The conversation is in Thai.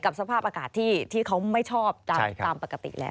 สภาพอากาศที่เขาไม่ชอบตามปกติแล้ว